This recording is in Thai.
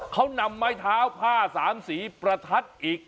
เขานำไม้เท้าผ้าสามสีประทัดอีก